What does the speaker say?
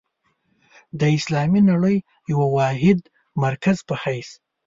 د اسلامي نړۍ د یوه واحد مرکز په حیث.